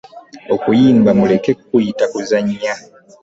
Okuyimba muleke kukuyita kuzannya.